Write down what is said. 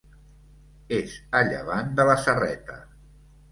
És a llevant de la Serreta.